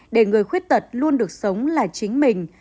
để người khuyết tật luôn được sống là chính mình